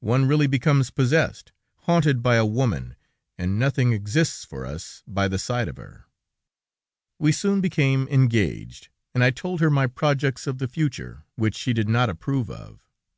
One really becomes possessed, haunted by a woman, and nothing exists for us, by the side of her. "We soon became engaged, and I told her my projects of the future, which she did not approve of.